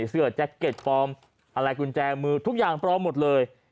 แจ็คเก็ตปลอมอะไรกุญแจมือทุกอย่างปลอมหมดเลย